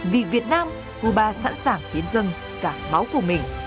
vì việt nam cuba sẵn sàng tiến dân cả máu của mình